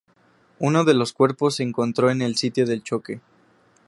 Uno de los cuerpos se encontró en el sitio del choque.